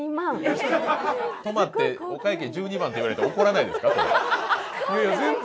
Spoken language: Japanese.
泊まってお会計１２万って言われて怒らないですか？